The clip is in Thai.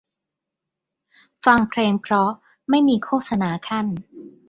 ฟังเพลงเพราะไม่มีโฆษณาคั่น